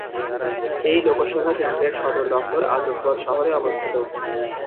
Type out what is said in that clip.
এই লোকসভা কেন্দ্রের সদর দফতর আজমগড় শহরে অবস্থিত।